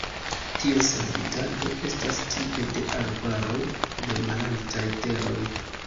Ties habitato estas tipe de arbaroj de malaltaj teroj.